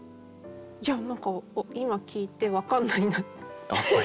いや何か今聞いてわかんないなって。